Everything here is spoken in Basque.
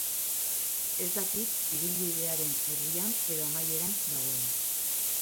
Ez dakit ibilbidearen erdian edo amaieran nagoen.